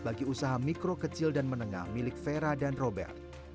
bagi usaha mikro kecil dan menengah milik vera dan robert